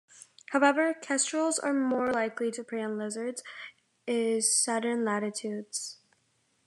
However, kestrels are more likely to prey on lizards is southern latitudes.